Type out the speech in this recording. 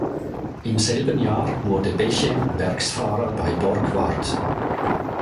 Im selben Jahr wurde Bechem Werksfahrer bei Borgward.